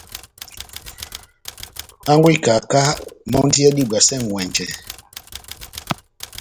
Hángwɛ wa ikaká mɔ́ndi adibwasɛ ŋʼwɛnjɛ.